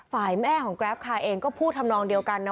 ฝ่ายแม่ของแกรปคาเองก็พูดทำนองเดียวกันนะ